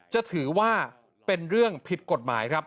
จะถือว่าเป็นเรื่องผิดกฎหมายครับ